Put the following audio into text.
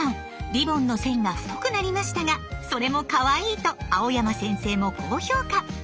リボンの線が太くなりましたがそれもかわいいと蒼山先生も高評価。